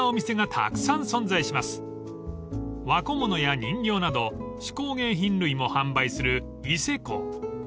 ［和小物や人形など手工芸品類も販売する伊勢幸］